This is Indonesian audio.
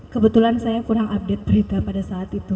kebetulan saya kurang update berita pada saat itu